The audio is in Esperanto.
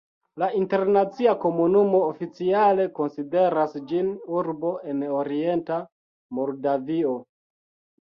La internacia komunumo oficiale konsideras ĝin urbo en orienta Moldavio.